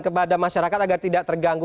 kepada masyarakat agar tidak terganggu